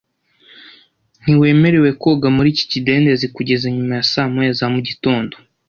Ntiwemerewe koga muri iki kidendezi kugeza nyuma ya saa moya za mugitondo